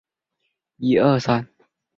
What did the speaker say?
后由黄秉权接任。